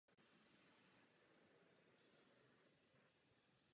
Chtěla bych, aby se tyto rozdíly odstranily.